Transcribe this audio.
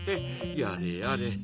やれやれ。